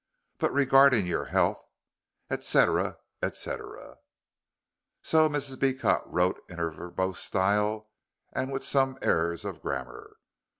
But regarding your health, etc., etc." So Mrs. Beecot wrote in her verbose style, and with some errors of grammar.